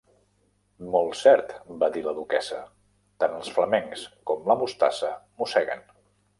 "Molt cert", va dir la duquessa: "tant els flamencs com la mostassa mosseguen".